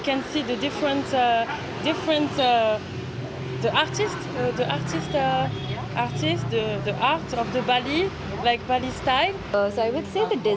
dan kita bisa melihat artis artis yang berbeda artis artis bali seperti bali